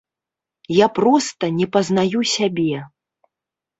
Я проста не пазнаю сябе.